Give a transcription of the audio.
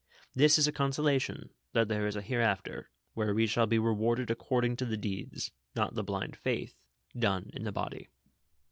This is a consolation, that there is a hereafter, Avhere we shall be rewarded according to the deeds, not the blind faith, done in the body."